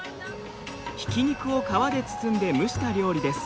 ひき肉を皮で包んで蒸した料理です。